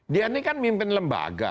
dia ini kan mimpin lembaga